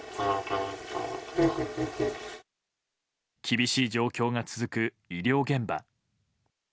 厳しい状況が続く医療現場。